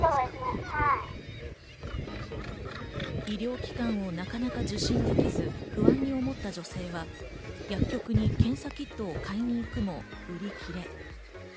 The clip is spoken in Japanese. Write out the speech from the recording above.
医療機関をなかなか受診できず、不安に思った女性は薬局に検査キットを買いに行くも売り切れ。